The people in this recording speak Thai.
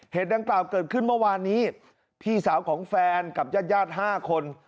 ดังกล่าวเกิดขึ้นเมื่อวานนี้พี่สาวของแฟนกับญาติญาติ๕คน